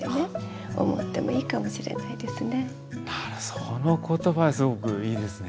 その言葉すごくいいですね。